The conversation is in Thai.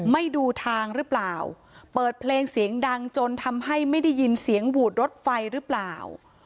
ไม่ดูทางหรือเปล่าเปิดเพลงเสียงดังจนทำให้ไม่ได้ยินเสียงหวูดรถไฟหรือเปล่า